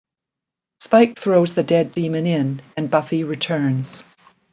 Spike throws the dead demon in, and Buffy returns.